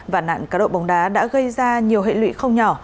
và nạn cá độ bóng đá đã gây ra nhiều hệ lụy không nhỏ